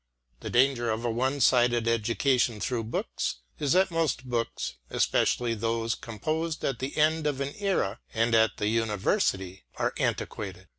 The danger of a one sided education through books is that most books, especially those composed at the end of an era, and at the university, are antiquated.